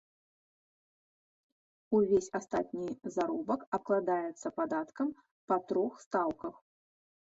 Увесь астатні заробак абкладаецца падаткам па трох стаўках.